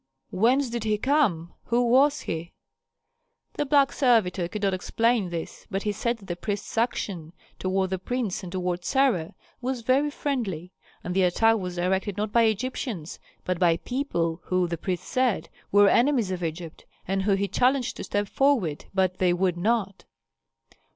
Whence did he come? Who was he?" The black servitor could not explain this, but he said that the priest's action toward the prince and toward Sarah was very friendly; that the attack was directed not by Egyptians, but by people who, the priest said, were enemies of Egypt, and whom he challenged to step forward, but they would not.